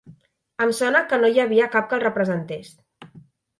Em sona que no n'hi havia cap que el representés.